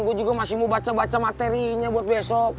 gue juga masih mau baca baca materinya buat besok